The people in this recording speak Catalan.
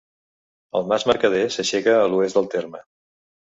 El mas Mercader s'aixeca a l'oest del terme.